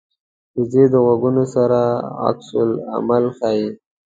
وزې د غږونو سره عکس العمل ښيي